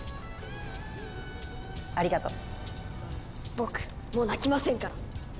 僕もう泣きませんから。